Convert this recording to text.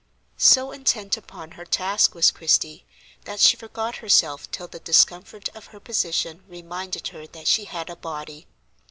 So intent upon her task was Christie, that she forgot herself till the discomfort of her position reminded her that she had a body.